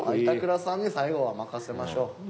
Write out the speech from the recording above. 板倉さんに最後は任せましょ。